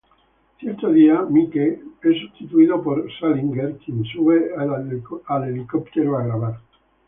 Cierto día, Mike es sustituido por Salinger, quien sube al helicóptero a grabar.